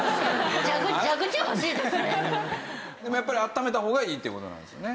でもやっぱり温めた方がいいって事なんですよね？